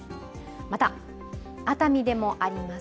また、熱海でもあります。